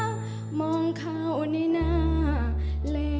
เพลงที่สองเพลงมาครับ